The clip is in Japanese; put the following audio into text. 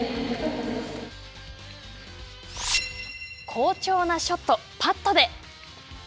好調なショット、パットで！